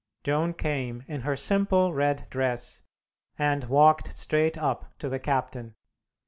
Joan came, in her simple red dress, and walked straight up to the captain.